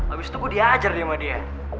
abis itu gua diajar dia sama dia